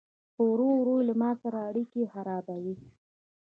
خو ورو ورو له ما سره اړيکي خرابوي